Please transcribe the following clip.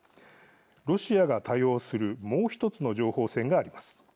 ロシアが多用するもう一つの情報戦があります。